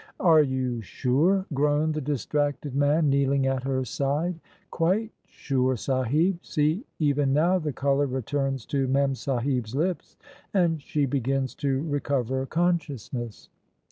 "Are you sure?" groaned the distracted man, kneeling at her side. " Quite sure. Sahib. See, even now the colour returns to Memsahib's lips, and she begins to recover consciousness."